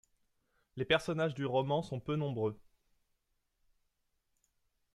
Les personnages du roman sont peu nombreux.